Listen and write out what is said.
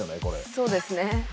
そうですね。